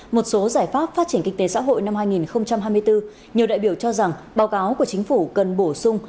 một số giải pháp phát triển kinh tế xã hội năm hai nghìn hai mươi bốn nhiều đại biểu cho rằng báo cáo của chính phủ cần bổ sung